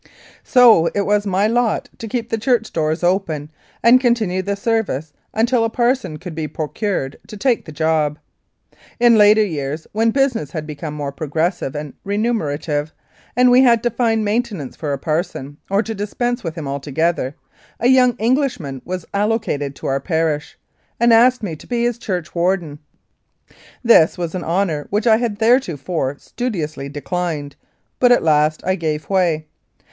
So it was my lot to keep the church doors open and continue the service until a parson could be procured to take the job. In later years, when business had become more progressive and remunerative, and we had to find maintenance for a parson, or to dispense with him altogether, a young Englishman was allocated to our parish, and asked me to be his churchwarden. This was an honour which I had theretofore studiously declined, but at last I gave way.